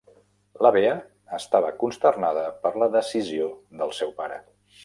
La Bea estava consternada per la decisió del seu pare.